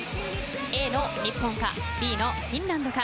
Ａの日本かＢのフィンランドか。